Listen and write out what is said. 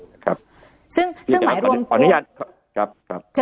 ซึ่งหมายรวมพูดขออนุญาต